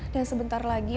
dan sebentar lagi